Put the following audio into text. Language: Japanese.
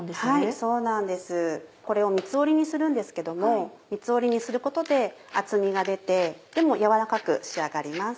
これを三つ折りにするんですけども三つ折りにすることで厚みが出てでも軟らかく仕上がります。